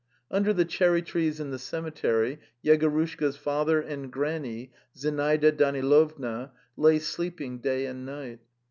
Under the cherry trees in the cemetery Yegorushka's father and granny, Zinaida Danilovna, lay sleeping day and night.